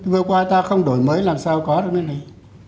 vừa qua ta không đổi mới làm sao có được cái này